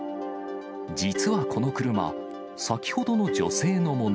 実はこの車、先ほどの女性のもの。